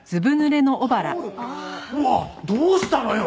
うわっどうしたのよ？